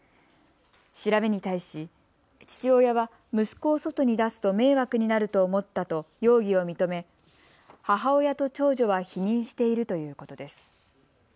調べに対し父親は息子を外に出すと迷惑になると思ったと容疑を認め、母親と長女は否認しているということです。